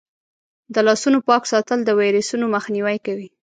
د لاسونو پاک ساتل د ویروسونو مخنیوی کوي.